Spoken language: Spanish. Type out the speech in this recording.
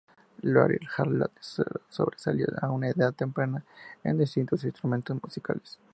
Larry Harlow sobresalió a una edad temprana en distintos instrumentos musicales.